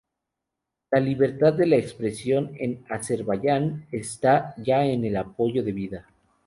La libertad de la expresión en Azerbaiyán está ya en el apoyo de vida.